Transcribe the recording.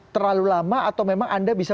terlalu lama atau memang anda bisa